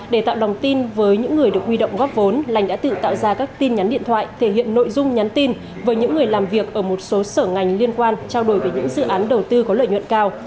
để tạo lòng tin với những người được huy động góp vốn lành đã tự tạo ra các tin nhắn điện thoại thể hiện nội dung nhắn tin với những người làm việc ở một số sở ngành liên quan trao đổi về những dự án đầu tư có lợi nhuận cao